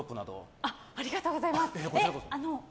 ありがとうございます。